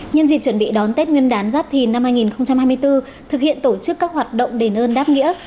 nhân dịp chuẩn bị đón tết nguyên đán giáp thìn năm hai nghìn hai mươi bốn thực hiện tổ chức các hoạt động đền ơn đáp nghĩa